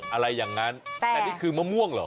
อะไรอย่างนั้นแต่นี่คือมะม่วงเหรอ